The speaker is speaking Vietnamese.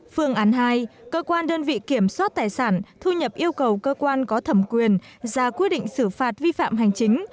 phương án hai cơ quan đơn vị kiểm soát tài sản thu nhập yêu cầu cơ quan có thẩm quyền ra quyết định xử phạt vi phạm hành chính